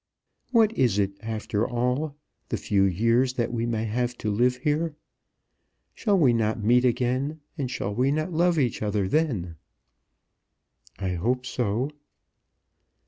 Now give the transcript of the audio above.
What is it after all, the few years that we may have to live here? Shall we not meet again, and shall we not love each other then?" "I hope so."